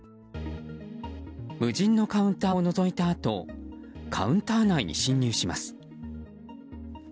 無人のカウンターをのぞいたあとカウンター内に侵入します。